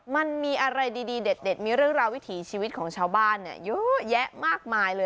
มันมีอะไรดีเด็ดมีเรื่องราววิถีชีวิตของชาวบ้านเยอะแยะมากมายเลย